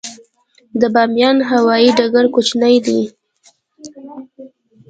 د بامیان هوايي ډګر کوچنی دی